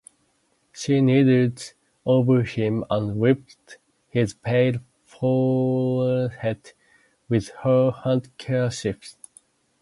She kneeled over him and wiped his pale forehead with her handkerchief.